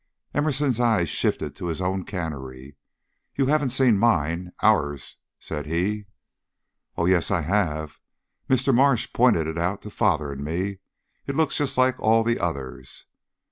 Emerson's eyes shifted to his own cannery. "You haven't seen mine ours," said he. "Oh yes, I have. Mr. Marsh pointed it out to father and me. It looks just like all the others."